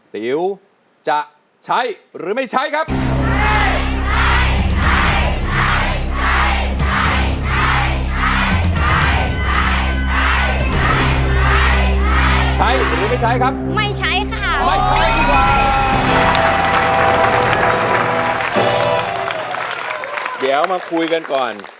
เดี๋ยวมาคุยกันก่อน